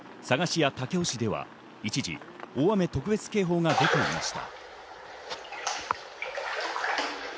佐賀市や武雄市では一時、大雨特別警報が出ていました。